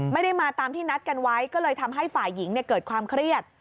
ไม่ได้มาตามที่นัดกันไว้ก็เลยทำให้ฝ่ายหญิงเกิดความเครียด